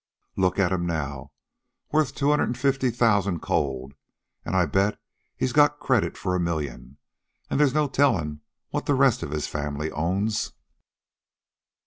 Look at him now worth two hundred an' fifty thousan' cold, an' I bet he's got credit for a million, an' there's no tellin' what the rest of his family owns."